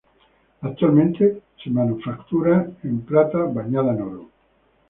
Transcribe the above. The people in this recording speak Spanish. Actualmente se manufactura en plata bañada en oro.